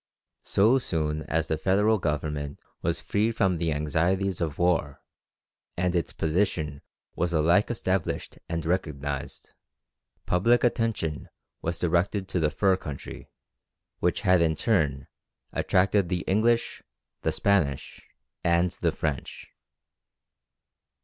So soon as the Federal Government was free from the anxieties of war, and its position was alike established and recognized, public attention was directed to the "fur country," which had in turn attracted the English, the Spanish, and the French.